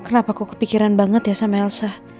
kenapa kok kepikiran banget ya sama elsa